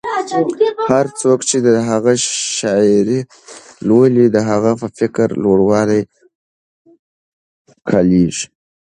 هر څوک چې د هغه شاعري لولي، د هغه په فکري لوړوالي قایلېږي.